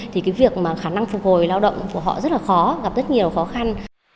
thì việc khả năng phục hồi lao động của họ rất khó gặp rất nhiều khó khăn